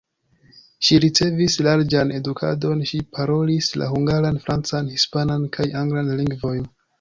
Ŝi ricevis larĝan edukadon, ŝi parolis la hungaran, francan, hispanan kaj anglan lingvojn.